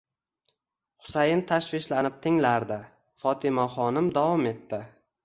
Husayin tashvishlanib tinglardi. Fotimaxonim davom etdi: